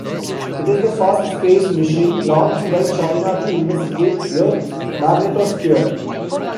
It is the first space mission launched by China to investigate Earth's magnetosphere.